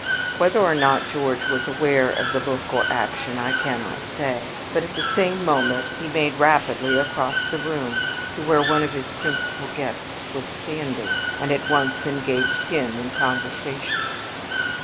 Whether or not George was aware of the look or action, I cannot say; but at the same moment he made rapidly across the room to where one of his principal guests was standing, and at once engaged him in conversation.